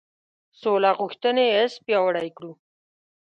سوله غوښتنې حس پیاوړی کړو.